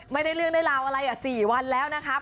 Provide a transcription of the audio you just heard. ไม่ได้เรื่องได้ราวอะไร๔วันแล้วนะครับ